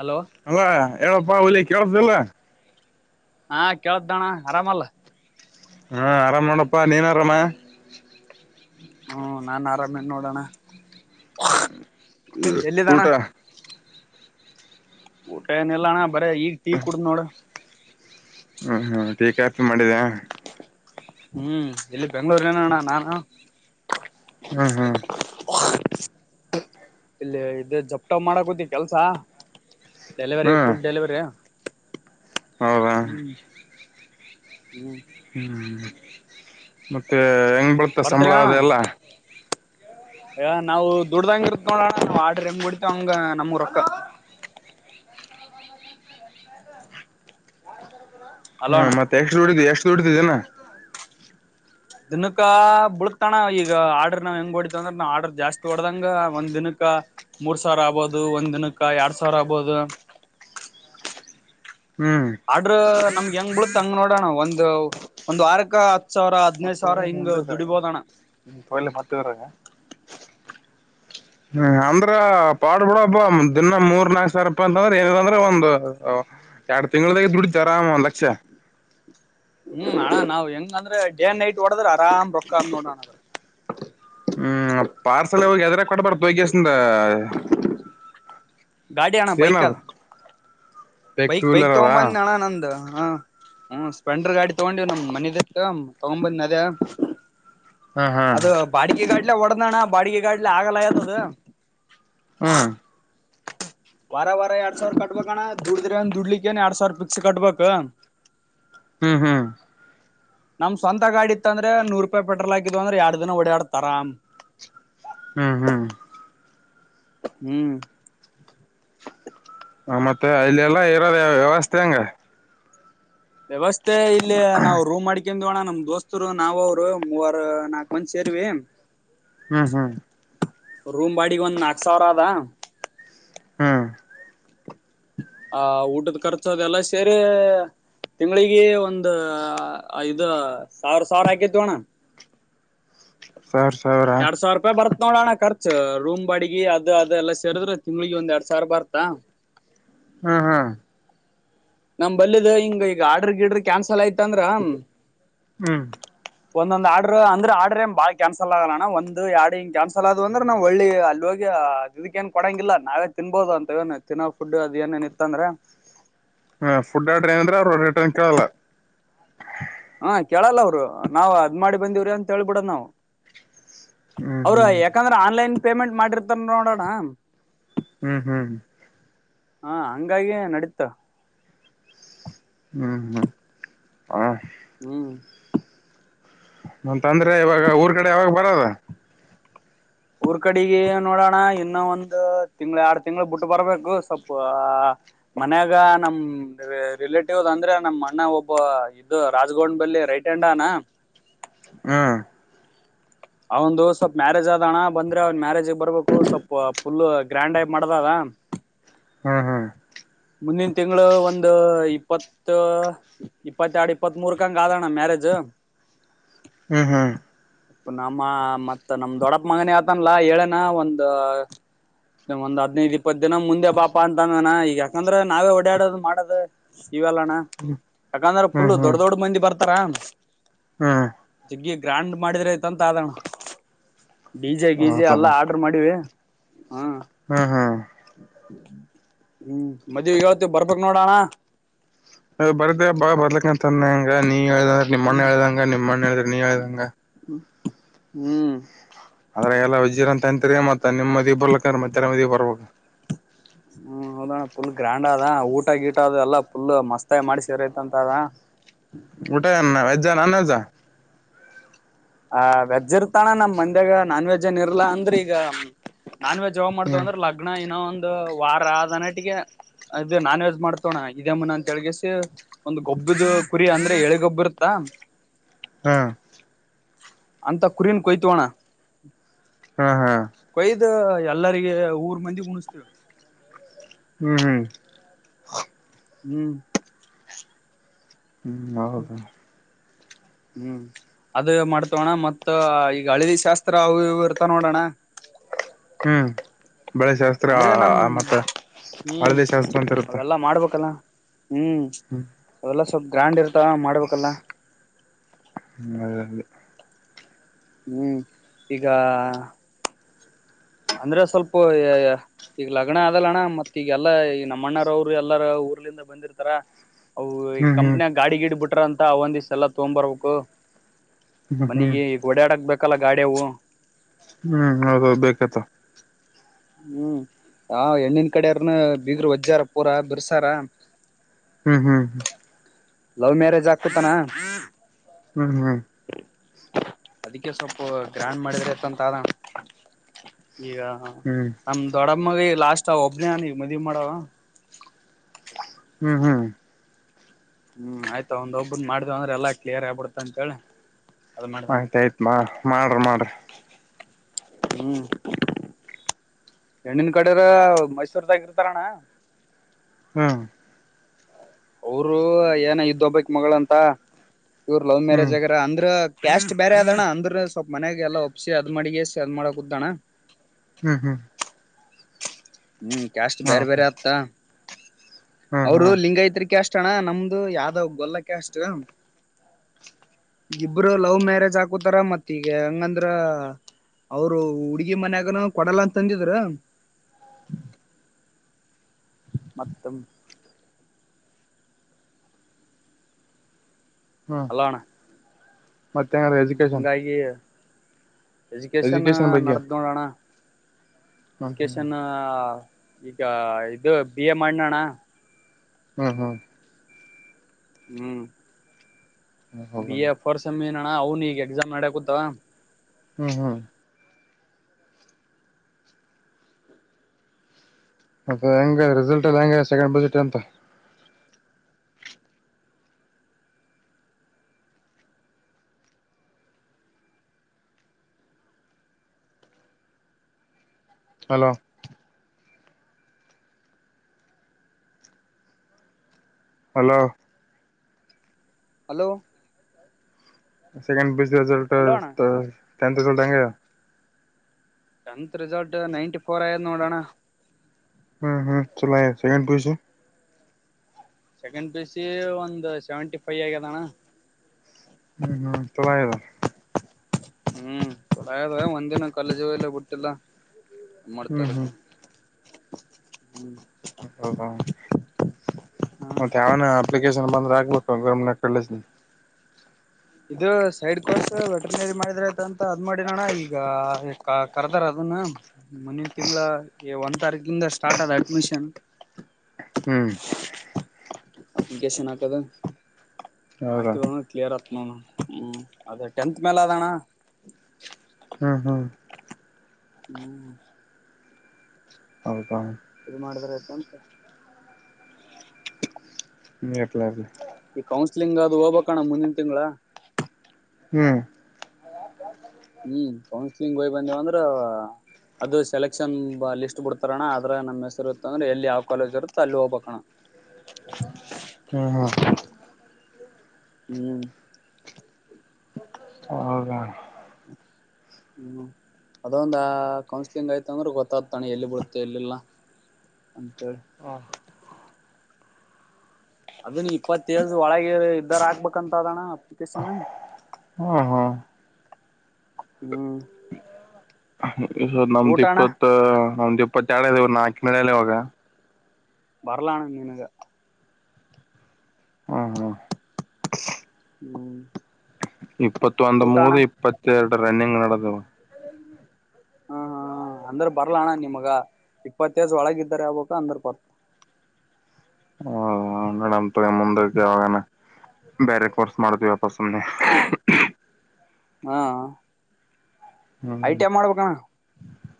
Hello ಅಲ ಹೇಳಪ್ಪಾ ಹಲಿ ಕೇಳತಲ್ಲ ಹಾ ಕೇಳದ್ದಣ ಆರಾಮಲ್ಲ ಹಾ ಆರಾಮ್ ನೋಡಪ್ಪಾ ನೀನ್ ಆರಾಮ ಹ್ಮ ನಾನ್ ಆರಾಮೇನ್ ನೋಡೋಣ ಎಲ್ಲಿದಣ? ಊಟ ಊಟಏನಲ್ಲಣ್ಣ ಬರೇ ಈಗ ಟೀ ಕುಡುದ್ ನೋಡ ಹ್ಮ್ ಹ್ಮ್ ಟೀ ಕಾಫಿ ಮಾಡಿದ ಹ್ಮ್ ಇಲ್ಲಿ ಬೆಂಗ್ಳೂರ್ ಏನಣ್ಣ ನಾನು ಹ್ಮ್ ಹ್ಮ್ ಇಲ್ಲಿ ಇ ಜಪ್್ಟ ಮಾಡಕತಿ ಕೆಲ್ಸ ಡೆಲಿವರಿ ಹ್ಮ್ ಫುಡ್ ಡೆಲಿವರಿ ಹೌದಾ ಹ್ಮ್ ಹ್ಮ್ ಹ್ಮ್ ಮತ್ತೆ ಹೆಂಗ್ ಬಳ್ತ ಬರ್ತ್ರಿ ಸಂಬಳ ಅಣ್ಣ ಅದೆ ಎಲ್ಲ ನಾವು ದುಡ್ದಂಗ ಇರ್ತ್ ನೋಡಣ ಆಡ್ರ ಎಮ ಕುಡಿತಂಗ ನಮಗ ರೊಕ್ಕ ಅಲೋ ಹ್ಮ ಅಣ್ಣ ಮತ್ತೆ ಎಷ್ಟು ದುಡಿದ ಎಷ್ಟು ದುಡಿದಿದ್ದನಾ ದಿನಕ್ಕ ಬಳತಣ ಈಗ ಆರ್ಡ್ರ ನಾವ್ ಹೆಂಗ್ ಹೊಡಿತ ಅಂದ್ರ ನಾ ಆರ್ಡರ್ ಜಾಸ್ತಿ ಹೊಓಡ್ದಂಗ ಒಂದ್ ದಿನಕ್ಕ ಮೂರ್ ಸಾವಿರ ಆಗ್ಬೋದು ಒಂದ್ ದಿನಕ್ಕ ಎರಡ್ ಸಾವಿರ ಆಬೋದು ಹ್ಮ್ ಅಡ್ರ ನಮ್ಗೆ ಹೆಂಗ್ ಬಳುತ್ತತ್ ಹಂಗ್ ನೋಡೋಣ ಒಂದು್ ಒಂದು್ ಅಾರಕ ಹತ್ ಸಾವಿರ ಹದ್ನೈದು ಸಾವಿರ ಹಿಂಗ್ ದುಡಿಬೋದಣ್ಣ ಹ್ಮ ತೊಯಿಲ್ ಮತ್ತ ಇ ಹ್ಮ ಅಂದ್ರ ಪಾಡ್ ಬಿಡಬ್ಬ ದಿನ ಮೂರ್ ನಾಕ ಸಾವರಪ್ಪ ಅಂತ ಅಂದ್ರ ಏನದ ಅಂದ್ರೆ ಒಂದು ಎರಡ್ ತಿಂಳದಾಗ ದುಡ್ಡು ಅರಾಮ ಒಂದ್ ಲಕ್ಷ ಹ್ಮ್ ಅಣ್ಣ ನಾವ್ ಹೆಂಗ ಅಂದ್ರೆ ಡೇಂಡ್ ನೈಟ್ ಓಡದ್ರ ಆರಾಮ್ ರೊಕ್ಕಾ ಅ್ ನೋಡಣ್ರ ಹ್ಮ್ ಪಾರ್ಸಲ್ ಅವವಾಗ ಅದ್ರ ಕೊಡ್ಬಾರ್ದು ವಗ್ಯಸಿಂದ ಗಾಡಿ ಅಣ್ಣ ಬೈಕ್ ಏನದು ಅದ ಟೂ ಬೈಕ್ ಬೈಕ್ ವೀಲರ್ ತಗೊ ಅದಾ ಬಂದ ನಾನ ಅಣ್ಣ ನಂದ ಹಾ ಹ್ಮ ಸ್ಪ್ಲೆಂಡರ್ ಗಾಡಿ ತಗೊಂಡಿವವ್ ನಮ್ ಮನದತ್ ತಗೊ ಬಂದ್ ಅದೇ ಹಾ ಹಾ ಅದು ಬಾಡಿಗೆ ಗಾಡ್ಲೆ ಹೊಡ್ದಣ ಬಾಡಿಗೆ ಗಾಡ್ಲೆ ಆಗಲ್ಲ ಯತದು ಹ್ಮ ವಾರ ವಾರ ಎರಡ್ ಸಾವಿರ ಕಟ್ಬಬೇಕಣ್ಣ ದುಡಿದ್ರೆ ಒಂದ ದುಡ್ಲಿಕ್ಕೇನ್ ಎರಡ್ ಸಾವಿರ ಪಿಕ್ಸ್ ಕಟ್ಬಬೇಕ ಹ್ಮ್ ಹ್ಮ್ ನಮ್ ಸ್ವಂತ ಗಾಡಿ ಇತ್ತ ಅಂದ್ರೆ ನೂರು ರೂಪಾಯಿ ಪೆಟ್ರೋಲ್ ಹಾಕಿದ್ ಅಂದ್ರೆ ಎರಡ್ ದಿನ ಓಡಾಡ್ತಾರಾಮ್ [unintelligible] ಹ್ಮ್ ಹ್ಮ್ ಹ್ಮ್ ಹ ಮತ್ತೆ ಅಲ್ಲಲ್ಲಾ ಇರೋದ ವ್ಯವಸ್ಥೆ ಹಂಗ ವ್ಯವಸ್ಥೆ ಇಲ್ಲಿ ನಾವು ರೂಮ್ ಮಾಡಿ ಣ ನಮ್ ದೋಸ್ತರು ನಾವ ಅವರು ಮೂವರು ನಾಕು ಮಂದಿ ಸೇರ್ವಿ ಹ್ಮ್ ಹ್ಮ್ ರೂಮ್ ಬಾಡಿಗೆ ಒಂದ್ ನಾಕ್ ಸಾವಿರ ಅದಾ ಹಾ ಆ ಊಟದ ಖರ್ಚೋದೆಲ್ಲ ಸೇರಿ ತಿಂಗಳಿಗೆ ಒಂದ ಐದು ಸಾವಿರ ಸಾವಿರ ಆಕೇತ್ ಅಣ್ಣ ಸಾವರ್ ಸಾವಿರ ಎರಡ್ ಸಾವಿರ ರೂಪಾಯಿ ಬರ್ತ್ ನೋಡೋಣ ಖರ್ಚು ರೂಮ್ ಬಾಡಿಗೆ ಅದು ಅದೆಲ್ಲಾ ಸೇರಿದ್ರೆ ತಿಂಗ್ಳಿಗೆ ಒಂದ್ ಎರಡ್ ಸಾವಿರ ಬರ್ತಾ ಹ್ಮ್ ಹ್ಮ್ ನಮ್ ಬಲ್ಲಿದ ಹಿಂಗ ಈಗ ಆರ್ಡ್ರ ಗಿಡ್ರಿ ಕ್ಯಾನ್ಸಲ್ ಆಯ್ತ ಅಂದ್ರ ಹ್ಮ್ ಒಂದೊಂದ್ ಆರ್ಡರ್ ಅಂದ್ರ ಆರ್ಡರ್ ಏನ್ ಬಾಳ ಕ್ಯಾನ್ಸಲ್ ಆಗಲ್ಲಣ್ಣ ಒಂದು ಎರಡು ಹಿಂಗ ಕ್ಯಾನ್ಸಲ್ ಆದ್ ಅಂದ್ರೆ ನಾವ್ ಒಳ್ಳಿ ಅಲ್ಲಿ ಹೋಗಿ ಇದಕ್ಕ ಏನ್ ಕೊಡಂಗಿಲ್ಲ ನಾವೇ ತಿನ್ಬೋದು ಅಂತವಏನು ತಿನ್ನೋ ಫುಡ್ ಅದ ಏನೇನ್ ಇತ್ತ ಅಂದ್ರೆ ಹಾ ಫುಡ್ ಆರ್ಡ್ರ ಏನಂದ್ರೆ ಅವರು ರೇಟ್ ಏನ್ ಕೇಳಲ್ಲ ಹಾ ಕೇಳಲ್ಲ ಅವರು ನಾವ್ ಅದ್ ಮಾಡಿ ಬಂದಿವ್ರಿ ಅಂತ ಹೇಳಿಬಿಡೋದು ನಾವು ಹ್ಮ್ ಅವ್ರ ಹ್ಮ್ ಯಾಕಂದ್ರೆ ಆನ್ಲೈನ್ ಪೇಮೆಂಟ್ ಮಾಡಿರ್ತ ನೋಡಣ್ಣ ಹ್ಮ್ ಹ್ಮ್ ಹಾ ಹಂಗಾಗಿ ನಡೀತ ಹ್ಮ್ ಹ್ಮ್ ಹ ಹ್ಮ್ ಮಂತ ಅಂದ್ರೆ ಇವಾಗ ಊರ್ ಕಡೆ ಯಾವಾಗಬರದು ಊರ್ ಕಡೆಗೆ ನೋಡೋಣ ಇನ್ನು ಒಂದು ತಿಂಗ್ಳ ಎರಡ್ ತಿಂಗಳ ಬಿಟ್ಟು ಬರ್ಬೇಕು ಸ್ವಲ್ಪ ಮನ್ಯಾಗ ನಮ್ ರಿಲೇಟಿವ್ ಅಂದ್ರೆ ನಮ್ ಅಣ್ಣ ಒಬ್ಬ ಇದದು ರಾಜಗೋಡ ಬಲ್ಲಿ ರೈಟ್ ಹ್ಯಾಂಡ್ ಅವ್ನ ಹ್ಮ್ [inaudible] ಅವಂದು ಸ್ವಲ್ಪ್ ಮ್ಯಾರೇಜ್ ಆದದಣ ಬಂದ್ರೆ ಅವ್ನ್ ಮ್ಯಾರೇಜಗ್ ಬರ್ಬೇಕು ಸ್ವಲ್ಪ ಫುಲ್ ಗ್ರ್ಯಾಂಡ್ ಮಾಡದಾವ [inaudible] ಹ್ಮ್ ಹ್ಮ್ ಮುಂದಿನ ತಿಂಗಳು ಒಂದು ಇಪ್ಪತ್ ಇಪ್ಪತ್ತ ಎರಡು ಇಪ್ಪತ್ ಮೂರ್ಕಂಗ ಆದಣ್ಣ ಮ್ಯಾರೇಜ್ ಮ್ಯಾರೇಜ್ ಹ್ಮ್ ಹ್ಮ್ ನಮ್ಮ ಮತ್ ನಮ್ ದೊಡ್ಡಪ್ಪ ಮಗನೆ ಹೇಳ್ತನ ಹೇಳನ ಒಂದ ಒಂದ್ ಹದ್ನೈದು್ ಇಪ್ಪತ್ ದಿನ ಮುಂದೆ ಬಾಪಾ ಅಂತ ಅಂದವನ ಈಗ ಯಾಕಂದ್ರೆ ನಾವೇ ಓಡಾಡದು ಮಾಡೋದು ಇವೆಲ್ಲಣ್ಣ ಯಾಕಂದ್ರ ಹ್ಮ್ ಪುಲ್ ದೊಡ್ಡ ಹ್ಮ್ ದೊಡ್ ಮಂದಿ ಬರ್ತಾರ ಹ್ಮ್ ಹಗ ಗ್ರ್ಯಾಂಡ್ ಮಾಡಿದ್ರ ಐತಂತ ಆದಣ್ಣ ಡಿಜೆ ಗೀಜೆ ಹೌದಾ ಎಲ್ಲ ಆರ್ಡರ್ ಮಾಡಿವಿ ಹಾ ಹ್ಮ್ ಹ್ಮ್ ಹ್ಮ್ ಮದ್ವೆ ಹೇಳ್ತಿವಿ ಬರ್ಬೇಕಕ್ ನೋಡೋಣ ಬರ್ದ ಬರ್ಬೇಕು ಅಂತನ್ ಹಂಗನೀ ನೀ ಹೇಳ್ದ್ರೆ ನಿಮ್ಮ ಅಣ್ಣ ಹೇಳ್ದಂಗ ನಿಮ್ಮ ಅಣ್ಣ ಹೇಳಿದ್ರಿ ನೀವ ಹೇಳ್ದಂಗ ಹ್ಮ್ ಆದದ್ರೆ ಎಲ್ಲ ವಿಜೀರ ಅಂತ ಅಂತರಿ ಮತ್ತ ನಿಮ್ಮ ಮದಿಗ್ ಬರ್ಲಕ ಮತ್ತೆರ ಮದಿ ಬರ್ಬೇಕು ಹ್ಮ್ ಹೌದಣ್ಣ ಫುಲ್ ಗ್ರ್ಯಾಂಡ್ ಅದ ಊಟ ಗೀಟ ಅದ ಎಲ್ಲಾ ಫುಲ್ ಮಸ್ತಾಗಿ ಮಾಡಿ ಅಂತಾದ ಊಟ ಏನ್ ವೆಜ್ ಆ ನೋನ್ ವೆಜ್ ಆ ಆ ವೆಜ್ ಇರ್ತಾನ ನಮ್ ಮಂದ್ಯಾಗ ನಾನ್ ವೆಜ್ ಏನ ಇರ್ಲಾ ಅಂದ್ರ ಈಗ ನಾನ್ ವೆಜ್ ಯಾವಾಗ ಮಾಡ್ತವ ಹ್ಮ್ ಅಂದ್ರೆ ಲಗ್ನ ಇನ್ನೋ ಒಂದು ವಾರ ಅದನಟ್ಟಿಗೆ ಅದು ನಾನ್ ವೆಜ್ ಮಾಡ್ತೋಣ ಇದೇ ಮುನ ಅಂತಳ್ಗಿಸಿ ಒಂದ್ ಗೊಬ್ಬ್ದ ಕುರಿ ಅಂದ್ರೆ ಎಳಿಗೊಬ್ಬ ಇರತ್ತಾ [unintelligible] ಹಾ ಅಂತ ಕುರಿನ್ ಕೊಯ್ತವಣ ಹ್ಮ ಹಾ ಎಲ್ಲಗ ಊರ್ ಮಂದಿ ಉಣಸ್ತೇವಿ ಹ್ಮ್ ಹ್ಮ್ ಹ್ಮ್ ಹ್ಮ ಹೌದು [inaudible] ಹ್ಮ್ ಅದು ಮಾಡ್ತವಣ್ಣ ಮತ್ತ ಈಗ ಹಳದಿ ಶಾಸ್ತ್ರ ಅವು ಇವು ಇರ್ತವ್ ನೋಡೋಣ [unintelligible] ಹ್ಮ್ ಬಾಳೆಶಾಸ್ತ್ರ ಅಂದ್ರೆ ನಮ್ ಮತ್ತ ಹ್ಮ್ ಹಳದಿ ಶಾಸ್ತ್ರ ಅಂತ ಇರುತ್ತೆ ಅವೆಲ್ಲಾ ಮಾಡ್ಬೇಕಲ್ಲ ಹ್ಮ್ ಅವಲ್ಲ ಸ್ವಲ್ಪ ಗ್ರಾಂಡ್ ಇರ್ [unintelligible] ಹ ಅದೇ ಹ್ಮ್ ಈಗ ಅಂದ್ರೆ ಸ್ವಲ್ಪ ಈಗ ಲಗ್ನ ಅದಲ್ಲಣ್ಣ ಮತ್ ಈಗಲ್ಲಾ ಈ ನಮ್ಮಣ್ಣರವರು ಎಲ್ಲಾರ ಊರ್ಲಿಂದ ಬಂದಿರ್ತಾರ ಅವು ಈ ಹ್ಮ್ ಕಂಪ್ನಿಯಾಗ ಹ್ಮ್ ಗಾಡಿ ಗಿಡಿ ಬಿಟ್ರ ಅಂತ ಅವು ಒಂದ ಸಲ ಎಲ್ಲ ತೊಗ್ ಬರ್ಬೇಕು ಹ್ಮ್ ಮನೆಗೆ ಓಡಡಕ್ ಬೇಕಲ್ಲ ಗಾಡಿವು ಹ್ಮ್ ಹೌದ ಬೇಕತ್ತ ಹ್ಮ್ ಹ ಹೆಣ್ಣನ್ ಕಡಾರ್ನು ಬಿೀಗರು ವಜ್ಜಾರ ಪೂರ ಬಿರ್ಸಾರ ಹ್ಮ್ ಹ್ಮ್ ಹ್ಮ ಲವ್ ಮ್ಯಾರೇಜ್ ಆಗುತ್ತೆ ಅಣ್ಣ ಹ್ಮ್ ಹ್ಮ್ ಅದಕ್ಕೆ ಸ್ವಲ್ಪ ಗ್ರ್ಯಾಂಡ್ ಮಾಡಿದ್ರತ ಅಂತ ಆದ ಅಣ್ಣ ಈಗ ಹ್ಮ್ ನಮ ದೊಡ್ಡಮ್ಮಗ ಲಾಸ್ ಒಬ್ನೇಾನಗ ಮದ್ವಿ ಮಾಡವ ಹ್ಮ ಹ್ಮ್ ಹ್ಮ್ ಆಯ್ತಾ ಅವುಒಬ್ಬ ಮಾಡ್ದವ ಅಂದ್ರೆ ಎಲ್ಲಾ ಕ್ಲಿಯರ್ ಆಗ್ಬಿಡತ ಅಂತೇಳಿ ಅದ್ ಮಾಡ್ದನ್ ಮಾತಾಡೇಮ ಮಾಡ್ರಿ ಮಾಡ್ರಿ ಹ್ಮ್ ಹೆಣ್ಣನ್ ಕಡರ ಮೈಸೂರ್ದಾಗಿರ್ತಾರಣ್ಣ ಹ್ಮ ಅವರು ಏನ ಇದ್ದೊಬ್ಬಕ್ ಮಗಳ ಅಂತ ಇವ್ರು ಲವ್ ಮ್ಯಾರೇಜ್ ಹ್ಮ್ ಆಗ್ಯಾರ ಅಂದ್ರ ಕಾಸ್ಟ್ ಬೇರೆ ಅದ ಅಣ್ಣ ಅಂದ್ರೆ ಸ್ವಲ್ಪ್ ಮನ್ಯಾಗೆಲ್ಲ ಒಪ್ಸ ಆಡುಮಾದಕೆಸೆ ಮ ಅದ್ ಮಾಡಕೂುದ್ದಣ ಹ್ಮ್ ಹ್ಮ್ ಹ್ಮ್ ಕ್ಯಾಸ್ಟ್ ಬೇರೆ ಬೇರೆ ಆಗ್ತಾ ಹ್ಮ್ ಹ್ಮ್ ಅವರು ಹ್ಮ್ ಲಿಂಗಾಯತ್ರಿಕ ಕಾಸ್ಟ್ ಅಣ್ಣ ನಮ್ದು ಯಾವ್ದಾವ ಗೊಲ್ಲಕ್ಕೆ ಕಾಸ್ಟ್ ಇಬ್ರು ಲವ್ ಮ್ಯಾರೇಜ್ ಹಾಕೂತಾರ ಮತ್ತ ಈಗ ಹಂಗಂದ್ರ ಅವರು ಹುಡ್ಗಿ ಮನ್ಯಾಗನ ಕೊಡಲ್ಲ ಅಂತ ಅಂದಿದ್ರ ಮತ್ತ ಹೆಲೋ ಅಣ್ಣ ಮತ್ತೆ ಹೆಂಗ್ರ ಎಜುಕೇೇಶನ್ ಎಜ್ಯುಕೇಷನ್ ಬಗ್ಗೆ ನರುತ ನೋಡು ಅಣ್ಣ ಹ್ಮ್ ಹ್ಮ್ ಎಜುಕೇಶನ್ ಈಗ ಇದು ಬಿ ಎ ಮಾಡನ ಅಣ್ಣ ಹ್ಮ ಹ್ಮ್ ಹ್ಮ್ ಹ ಹೌದ ಬಿ ಎ ಫೋರ್ಟ್ ಸೇಮ್ ಎನ್ ಅಣ್ಣ ಅವನು ಈಗ ಎಕ್ಸಾಮ್ ನಡ್ಯಕೂತ್ವ ಹ್ಮ್ ಹ್ಮ್ ಮತ್ತೆ ಹೆಂಗ ರಿಸಲ್ಟ್ ಎಲ್ಲ ಹೆಂಗ ಸೆಕೆಂಡ್ ಬಜೆಟ್ ಅಂತ hello hello hello second PUC result hello ಅಣ್ಣ ಮತ ಟೆಂಟ್ ರಿಸಲ್ಟ್ ಇಂಗ ಅದ ಟೆಂತ್ ರಿಸಲ್ಟ್ ನೈನ್ಟಿ ಫೋರ್ ಆಯ ನೋಡೂ ಅಣ್ಣ ಹ್ಮ್ ಹ್ಮ್ ಚಲ ಆಯ್ತು ಸೆಕೆಂಡ್ ಪಿಯುಸಿ ಸೆಕೆಂಡ್ ಪಿಯುಸಿ ಒಂದು್ ಸೆವೆಂಟಿ ಫೈವ್ ಆಗ್ಯದ ಅಣ್ಣ ಹ್ಮ್ ಹ್ಮ್ ಚೆಲುಹಾಗಿದೆ ಹ್ಮ್ ಒಂದಿನ ಕಾಲೇಜಲ್ಲ ಬಿಟ್ಟಿಲ್ಲ ಹ್ಮ್ ಮಾಡ್ತಾರ ಹ್ಮ್ ಹ್ಮ್ [unintelligible] ಹ್ಮ್ ಮತ್ತೆ ಯಾವನ ಅಪ್ಲಿಕೇಶನ್ ಬಂದ್ರ ಆಗ್ಬೇಕ ಗೌರ್ಮೆಂ ಕಾಲೇಜ್ ಇದು ಸೈಡ್ ಕೋಸ ವೆಟ್ರನರಿ ಮಾಡಿದ್ರಐತ ಅಂತ ಅದ್ ಮಾಡಡೋಣ್ಣ ಈಗ ಕರ್ದಾರದು ಮುನಿ ತಿಂಗಳ ಒಂದ್ ತಾರೀಕಿಂದ ಸ್ಟಾರ್ಟ್ ಆದದ ಅಡ್ಮಿಷನ್ ಹ್ಮ್ ಅಪ್ಲಿಕೇಶನ್ ಹಾಕದು ಹೌದಾ ಹಾಕಿದೋ ಕ್ಲಿಯರ್ ಆ ಹ್ಮ ಹ್ಮ ಅದೇ ಟೆಂತ್ ಮೇಲೆ ಅದಣ. ಹ್ಮ್ ಹ್ಮ್ ಹ್ಮ್ ಹೌದ ಇದು ಮಾಡಿದ್ರ ಆಯ್ತು ಅಂತ. ಮೇಕ್ಲಾರ್ತಿ. ಇತ್ಲಿಂಗ ಅದು ಹೋಗಬೇಕಣ್ಣ ಮುಂದಿನ ತಿಂಗಳ. ಹ್ಮ್ ಹಿಂಗ್ ಹೋಯ್ ಬಂದೇವ ಅಂದ್ರ. ಅದು ಸೆಲೆಕ್ಷನ್ ಲಿಸ್ಟ್ ಬಿಡ್ತಾರಣ್ಣ ಆದ್ರ ನಮ್ಮ್ ಹೆಸರು ಇತ್ತ ಅಂದ್ರೆ ಎಲ್ಲಿ ಯಾವ್ ಕಾಲೇಜ್ ಇರುತ್ತೆ ಅಲ್ಲಿ ಹೋಗ್ಬೇಕಣ್ಣ. ಹ್ಮ ಹ್ಮು. ಹ್ಮ್ ಹೌದಾ ಹ್ಮ್ ಅದೊಂದ ಕೌನ್ಸ್ಲಿಂಗ್ ಆಯ್ತು ಅಂದ್ರೆ ಗೊತ್ತಾಗ್ತಾನೆ ಎಲ್ಲಿ ಬಿಡುತ್ತೆ ಎಲ್ಲಿಲ್ಲಾ. ಅಂತ ಹೇಳ. ಅಹ ಅದನ್ ಇಪ್ಪತ್ತೇಳು ಒಳಗೆ ಇದ್ದಾರ ಆಗ್ಬೇಕಂತ ಅದಣ್ಣ ಅಪ್ಲಿಕೇಶನ್. ಹ್ಮ ಹ್ಮ. ಹ್ಮ [unintelligible] ನಮ್ದ್ ಇಪ್ಪತ್ತ ನಮ್ದ್ ಇಪ್ಪತ್ತ ಎರಡನೇದು ಇವ ಆಕ್ಕನಲ್ಲೆ ಇವಾಗ. ಬರಲಾಣ ನಿನಗೆ. ಹ್ಮ್ ಹ್ಮ್ ಹ್ಮ್ ಇಪ್ಪತ್ತ ಒಂದು ಊಟ ಅಣ್ಣ ಮೂಗುದ ಇಪ್ಪತ್ತೆರಡು ರನ್ನಿಂಗ್ ನಡೆದವು. ಹಾ ಹಾ ಹ ಅಂದ್ರ ಬರ್ಲಣ್ಣ ನಿಮಗ ಇಪ್ಪತ್ತಸ್ ಒಳಗ ಇದ್ದಾರೆ ಯಗಬೇಕ ಅಂದ್ರ ಬರ್ತ ಹ [unintelligible] ಮುಂದಕ್ಕೆ ಯವಾಗಾನ. ಬೇರೆ ಕೋರ್ಸ್ ಮಾಡ್ತೀವಪ್ಪ ಸುಮ್ನೆ. ಹಾ ಹಾ. I hmm T I ಮಾಡ್ಬೇಕಣ.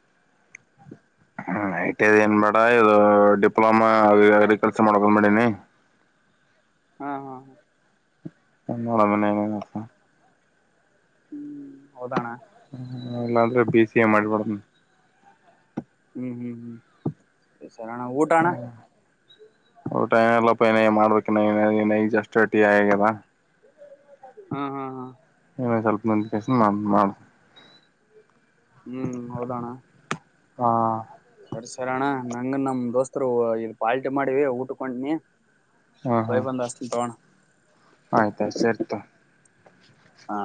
[unintelligible] Hmm I T I ಏನ್ ಬೇಡ ಇದು ಡಿಪ್ಲೊಮಾ ಅಗ್ರಿಕಲ್ಚರ್ ಮಾಡಕಂದ್ ಮಾಡಿನಿ. ಹಾ ಹಾ [unintelligible] ಹ್ಮ್ ಹೌದಣ ಹ ಇಲ್ಲಾಂದ್ರೆ ಬಿ ಸಿ ಎ ಮಾಡ್ಬಿಡಮ. ಹ್ಮ್ ಹ್ಮ್ ಹ್ಮ್ ಸರಿಣ ಊಟಣ್ಣ. ಊಟಏಲ್ಲಪ್ಪ ಏನ ಮಾಡ್ಬೇಕ ಈಗಷ್ಟೇ ಈಗಷ್ಟೇ ಜಸ್ಟ್ ಟಿ ಆಗ್ಯದ. ಹ್ಮ ಹಾ ಹಾ ಇನ್ನೊಂದ್ ಸ್ವಲ್ಪ ಮಂದ ಕೆಸ ನಾನ್ ಮಾಡು. ಹ್ಮ್ ಹೌದಣ್ಣ. ಹಾ ಸರಿ ಸರ ಅಣ್ಣ ನಂಗ ನಮ್ ದೋಸ್ತರು ಇ ಪಾಲ್ಟಿ ಮಾಡಿವ ಊಟಕ್ ಹೋಂಟನಿ. ಬೈ ಬಂದ್ ಹಚ್ತೀನಿ ತಗೊಣ. ಆಯ್ತಾ ಸರಿತೊ. ಹಾ